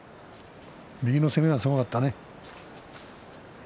右の攻めがすごかったね。